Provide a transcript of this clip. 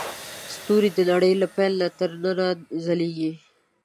ستوري د نړۍ له پیل نه تر ننه ځلېږي.